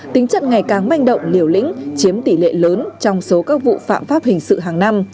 tính chất ngày càng manh động liều lĩnh chiếm tỷ lệ lớn trong số các vụ phạm pháp hình sự hàng năm